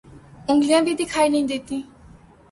انگلیاں بھی دیکھائی نہیں دیتی